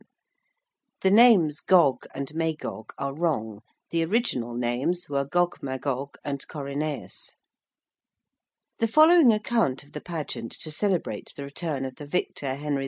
The names Gog and Magog are wrong. The original names were Gogmagog and Corineus. The following account of the Pageant to celebrate the return of the victor Henry V.